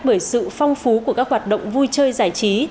bởi sự phong phú của các hoạt động vui chơi giải trí